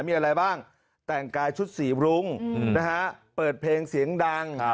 มีอะไรบ้างแต่งกายชุดสีบรุ้งนะฮะเปิดเพลงเสียงดัง